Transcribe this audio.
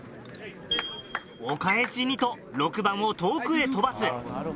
お返しにと６番を遠くへ飛ばす。